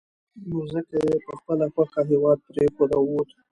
نو ځکه یې په خپله خوښه هېواد پرېښود او ووت.